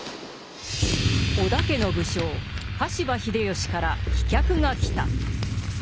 織田家の武将羽柴秀吉から飛脚が来た。